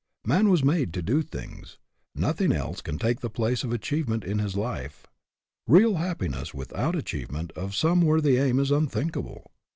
Man was made to do things. Nothing else can take the place of achievement in his life. Real happiness without achievement of some worthy aim is unthinkable.